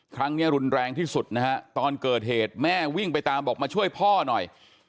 ครั้งนี้รุนแรงที่สุดนะฮะตอนเกิดเหตุแม่วิ่งไปตามบอกมาช่วยพ่อหน่อย